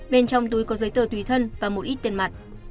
bên trong túi có giấy tờ tùy thân và một ít tiền mặt